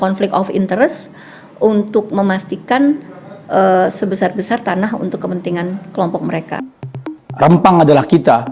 konflik of interest untuk memastikan sebesar besar tanah untuk kepentingan kelompok mereka